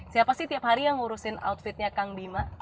siapa sih tiap hari yang ngurusin outfitnya kang bima